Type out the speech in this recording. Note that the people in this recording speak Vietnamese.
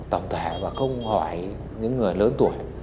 tổng thể và không hỏi những người lớn tuổi